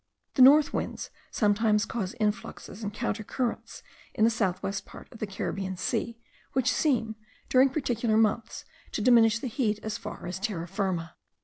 The north winds sometimes cause influxes and counter currents in the south west part of the Caribbean Sea, which seem, during particular months, to diminish the heat as far as Terra Firma.